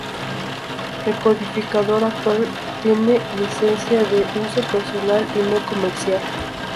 El codificador actual tiene licencia de uso personal y no comercial.